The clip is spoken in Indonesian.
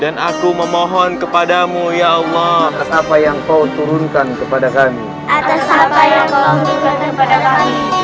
dan aku mohon kepadamu ya allah apa yang kau turunkan kepada kami atas apa yang kau